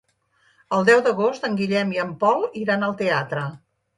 El deu d'agost en Guillem i en Pol iran al teatre.